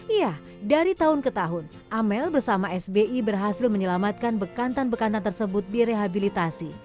iya dari tahun ke tahun amel bersama sbi berhasil menyelamatkan bekantan bekantan tersebut direhabilitasi